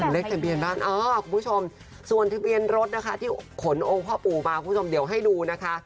เลขทะเบียนบ้านเออคุณผู้ชมส่วนทะเบียนรถนะคะที่ขนองค์พ่อปู่มาคุณผู้ชมเดี๋ยวให้ดูนะคะ